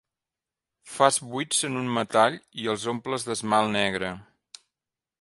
Fas buits en un metall i els omples d'esmalt negre.